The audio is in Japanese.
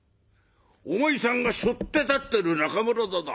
お前さんがしょって立ってる中村座だ。